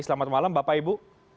selamat malam bapak ibu